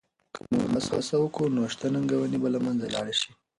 که موږ هڅه وکړو نو شته ننګونې به له منځه لاړې شي.